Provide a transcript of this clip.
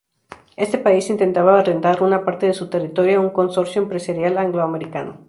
Este país intentaba arrendar una parte de su territorio a un consorcio empresarial anglo-americano.